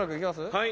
はい。